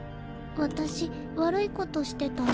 私悪いことしてたの？